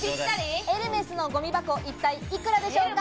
エルメスのごみ箱、一体いくらでしょうか？